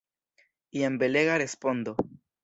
Jen belega respondo!